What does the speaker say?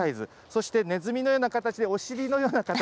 そしてねずみのような形で、お尻のような形。